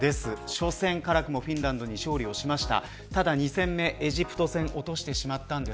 初戦、辛くもフィンランドに勝利しました。